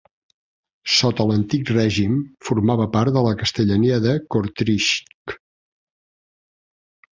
Sota l'antic règim formava part de la castellania de Kortrijk.